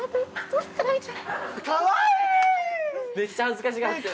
めっちゃ恥ずかしがってる。